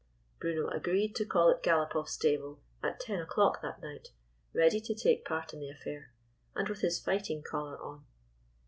Bruno agreed to call at Galopoff's stable at ten o'clock that night, ready to take part in the affair, and with his fighting collar on.